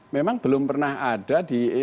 memang belum pernah ada